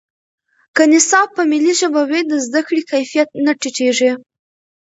که نصاب په ملي ژبه وي، د زده کړې کیفیت نه ټیټېږي.